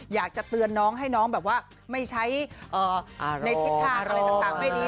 อยากจะเตือนน้องให้น้องแบบว่าไม่ใช่เอ่ออารมณ์อะไรต่างต่างไม่ดี